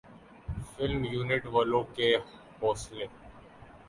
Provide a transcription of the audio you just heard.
film unit والوں کے حوصلے